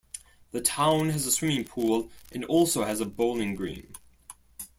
The town has a swimming pool and also has a bowling green.